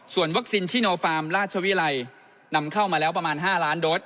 ส่วนวัคซีนชิโนฟาร์มราชวิรัยนำเข้ามาแล้วประมาณ๕ล้านโดส